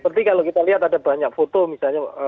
seperti kalau kita lihat ada banyak foto misalnya